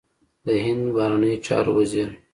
د هند بهرنیو چارو وزیر